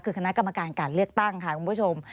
คือคณะกรรมการการเลือกตั้งค่ะคุณผู้ชม